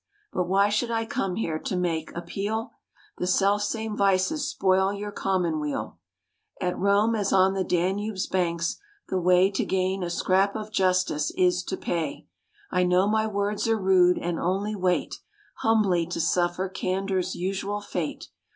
But why should I come here to make appeal? The self same vices spoil your commonweal: At Rome, as on the Danube's banks, the way To gain a scrap of justice is to pay. I know my words are rude, and only wait Humbly to suffer candour's usual fate."